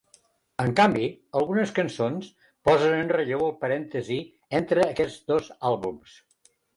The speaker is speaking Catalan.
En canvi, algunes cançons posen en relleu el parèntesi entre aquests dos àlbums.